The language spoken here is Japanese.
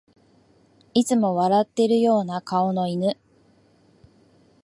いつも笑ってるような顔の犬